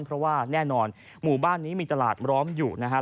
เพราะว่าแน่นอนหมู่บ้านนี้มีตลาดร้อมอยู่นะครับ